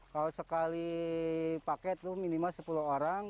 kalau sekali paket itu minimal sepuluh orang